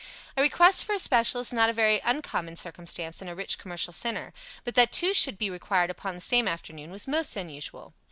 A request for a special is not a very uncommon circumstance in a rich commercial centre, but that two should be required upon the same afternoon was most unusual.